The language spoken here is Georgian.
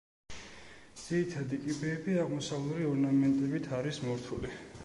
ძირითადი კიბეები აღმოსავლური ორნამენტებით არის მორთული.